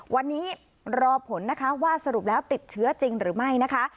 วันนี้รอผลนะคะว่าสรุปแล้วติดเชื้อจริงหรือไม่นะคะ